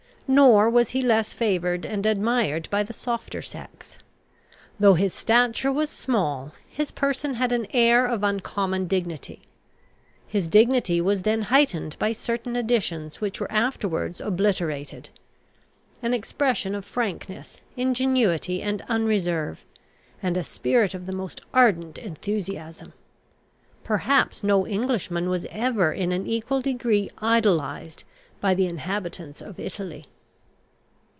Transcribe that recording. Nor was he less favoured and admired by the softer sex. Though his stature was small, his person had an air of uncommon dignity. His dignity was then heightened by certain additions which were afterwards obliterated, an expression of frankness, ingenuity, and unreserve, and a spirit of the most ardent enthusiasm. Perhaps no Englishman was ever in an equal degree idolised by the inhabitants of Italy.